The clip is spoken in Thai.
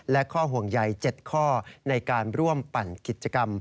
และข้อห่วงใหญ่๗ข้อในการร่วมปั่นกิจกรรม